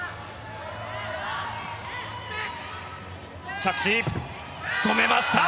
着地、止めました！